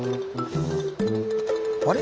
あれ？